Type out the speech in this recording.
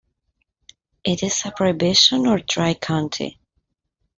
It is a prohibition or dry county.